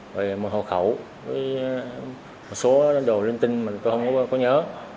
rồi một hộp khẩu với một số đồ liên tinh mà tôi không có nhớ